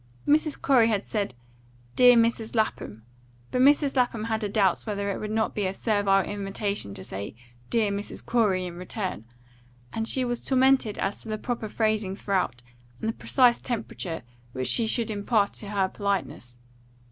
Mrs. Corey had said "Dear Mrs. Lapham," but Mrs. Lapham had her doubts whether it would not be a servile imitation to say "Dear Mrs. Corey" in return; and she was tormented as to the proper phrasing throughout and the precise temperature which she should impart to her politeness.